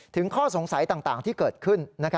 ข้อสงสัยต่างที่เกิดขึ้น